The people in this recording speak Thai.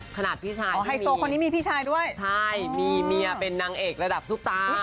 ขนาดพี่ชายถึงมีขนนี้พี่ชายด้วยใช่มีเมียเป็นนางเอกระดับสุปราชิน